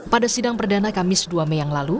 pada sidang perdana kamis dua mei yang lalu